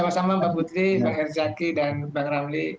sama sama mbak putri pak herzaki dan bang ramli